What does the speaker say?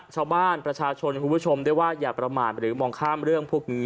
ชาวบ้านประชาชนคุณผู้ชมได้ว่าอย่าประมาทหรือมองข้ามเรื่องพวกนี้